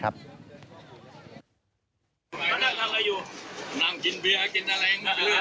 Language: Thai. ให้มีการวางแผนกัน